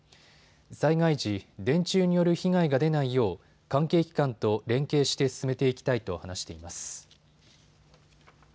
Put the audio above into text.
災害時、電柱による被害が出ないよう関係機関と連携して進めていきたいと話しています。